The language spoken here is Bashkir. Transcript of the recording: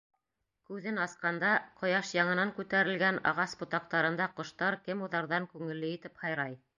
Күҙен асҡанда, ҡояш яңынан күтәрелгән, ағас ботаҡтарында ҡоштар кемуҙарҙан күңелле итеп һайрай.